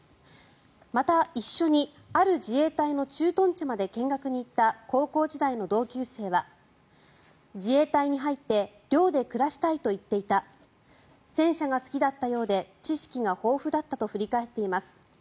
また一緒にある自衛隊の駐屯地まで見学に行った高校時代の同級生は自衛官に入って寮で暮らしたいと言っていた戦車が好きだったようで知識が豊富だったと振り返っています。